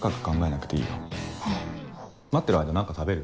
待ってる間何か食べる？